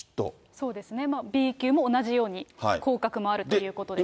そうですね、Ｂ級も同じように降格もあるということですね。